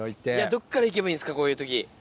どっからいけばいいんすかこういう時。